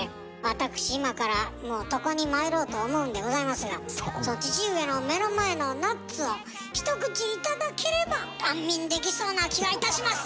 私今からもう床にまいろうと思うんでございますがその父上の目の前のナッツを一口頂ければ安眠できそうな気がいたします！」